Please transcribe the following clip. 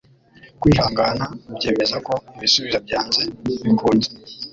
Kwihangana byemeza ko ibisubizo byanze bikunze.